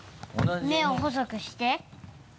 目を細くして。